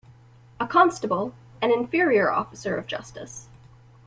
A constable an inferior officer of justice.